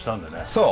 そう！